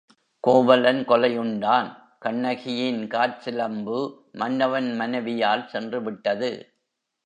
கோவலன் கொலையுண்டான் கண்ணகியின் காற்சிலம்பு மன்னவன் மனைவியால் சென்று விட்டது.